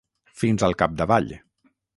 Fins al capdavall.